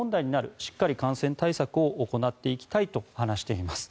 しっかり感染対策を行っていきたいと話しています。